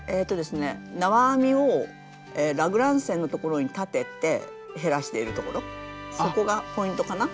縄編みをラグラン線のところに立てて減らしているところそこがポイントかな。